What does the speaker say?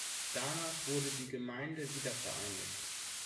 Danach wurde die Gemeinde wiedervereinigt.